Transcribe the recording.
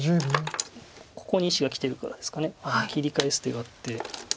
ここに石がきてるからですか切り返す手があって。